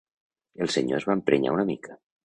El senyor es va emprenyar una mica.